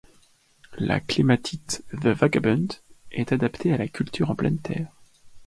La clématite 'The Vagabond' est adaptée à la culture en pleine terre.